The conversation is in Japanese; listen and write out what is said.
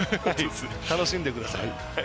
楽しんでください。